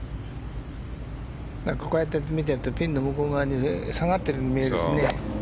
こうやって見てるとピンの向こう側に下がってるように見えるんですね。